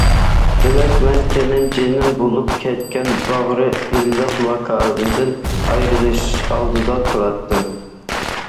دېمەك مەن تېنىم، جېنىم بولۇپ كەتكەن، باغرى ئىللىق ماكاندىن ئايرىلىش ئالدىدا تۇراتتىم.